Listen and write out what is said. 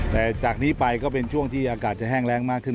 แต่จากนี้ไปก็เป็นช่วงที่อากาศจะแห้งแรงมากขึ้น